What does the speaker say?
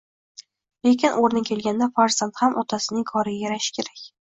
Lekin o`rni kelganda farzand ham otasining koriga yarashi kerak